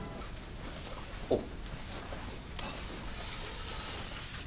おっ。